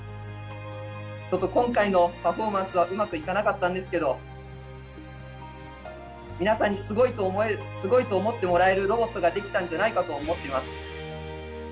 ちょっと今回のパフォーマンスはうまくいかなかったんですけど皆さんにすごい！と思ってもらえるロボットが出来たんじゃないかとは思っています。